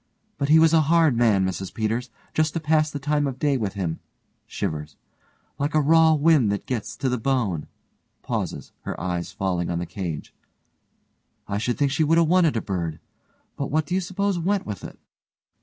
But he was a hard man, Mrs Peters. Just to pass the time of day with him (shivers) Like a raw wind that gets to the bone, (pauses, her eye falling on the cage) I should think she would 'a wanted a bird. But what do you suppose went with it?